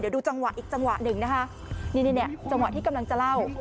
เดี๋ยวดูจังหวะอีกจังหวะหนึ่งนะคะนี่เนี่ยจังหวะที่กำลังจะเล่า